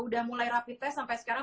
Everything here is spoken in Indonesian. udah mulai rapid test sampai sekarang